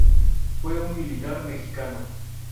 Fue un militar mexicano.